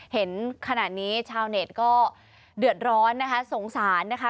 เห็นขนาดนี้ชาวเน็ตก็เดือดร้อนนะคะสงสารนะคะ